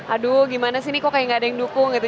aduh gimana sih ini kok kayak gak ada yang dukung gitu